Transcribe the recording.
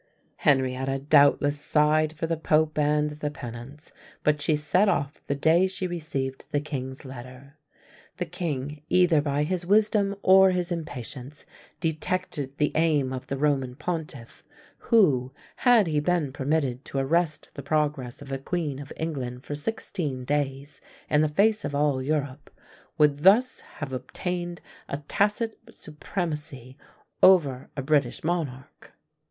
Henrietta doubtless sighed for the Pope and the penance, but she set off the day she received the king's letter. The king, either by his wisdom or his impatience, detected the aim of the Roman pontiff, who, had he been permitted to arrest the progress of a Queen of England for sixteen days in the face of all Europe, would thus have obtained a tacit supremacy over a British monarch.